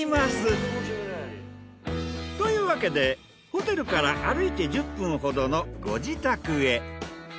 というわけでホテルから歩いて１０分ほどのご自宅へ。